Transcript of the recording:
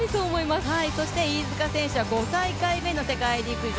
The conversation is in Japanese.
そして飯塚選手は５大会目の世界陸上。